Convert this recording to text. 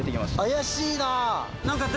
怪しいな。